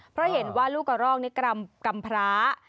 เพราะเห็นว่าลูกกระรอกนี่กำพร้า